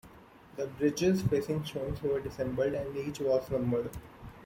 The bridge's facing stones were disassembled, and each was numbered.